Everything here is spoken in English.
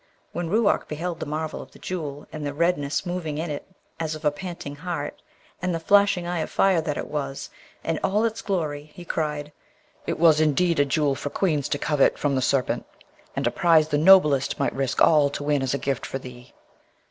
When Ruark beheld the marvel of the Jewel, and the redness moving in it as of a panting heart, and the flashing eye of fire that it was, and all its glory, he cried, 'It was indeed a Jewel for queens to covet from the Serpent, and a prize the noblest might risk all to win as a gift for thee.'